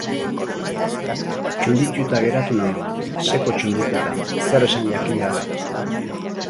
Txundituta geratu naun, seko txundituta, zer esan jakin gabe.